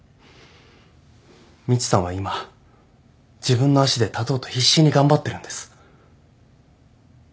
みちさんは今自分の足で立とうと必死に頑張ってるんです。